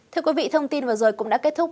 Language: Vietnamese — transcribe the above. thưa quý vị thông tin vừa rồi cũng đã kết thúc